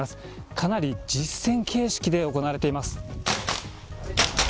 かなり実戦形式で行われています。